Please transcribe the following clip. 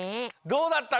どうだった？